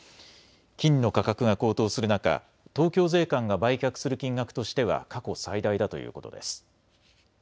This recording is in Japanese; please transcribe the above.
金の価格が高騰する中、東京税関が売却する金額としては過去最大だということです。